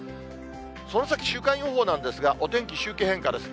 その先、週間予報なんですが、お天気、周期変化です。